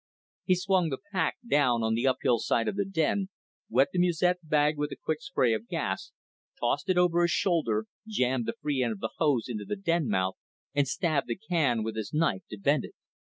He swung the pack down on the uphill side of the den, wet the musette bag with a quick spray of gas, tossed it over his shoulder, jammed the free end of the hose into the den mouth and stabbed the can with his knife to vent it.